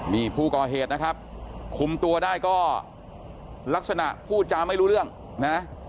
นี่ผู้ก่อเหตุนะครับคุมตัวได้ก็ลักษณะพูดจาไม่รู้เรื่องนะ